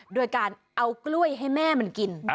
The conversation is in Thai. โดยการเอากล้วยให้แม่มันกิน